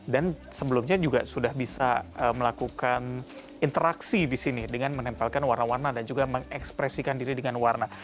dan sebelumnya juga sudah bisa melakukan interaksi di sini dengan menempelkan warna warna dan juga mengekspresikan diri dengan warna